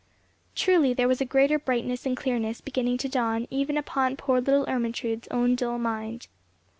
Truly there was a greater brightness and clearness beginning to dawn even upon poor little Ermentrude's own dull mind.